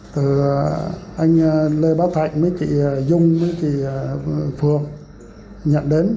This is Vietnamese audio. từ anh lê báo thạnh với chị dung với chị phường nhận đến